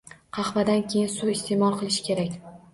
Qahvadan keyin suv iste’mol qilish kerak.